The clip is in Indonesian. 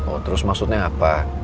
oh terus maksudnya apa